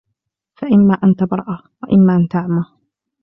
فَإِمَّا أَنْ تَبْرَأَ وَإِمَّا أَنْ تَعْمَى